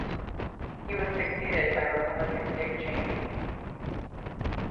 He was succeeded by Republican Dick Cheney.